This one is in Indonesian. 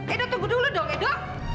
edo tunggu dulu dong edo